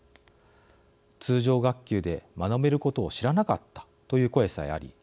通常学級で学べることを知らなかったという声さえあり